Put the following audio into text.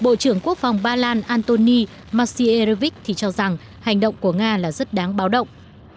bộ trưởng quốc phòng ba lan antoni macierewicz cho rằng hành động của nga là rất đáng báo động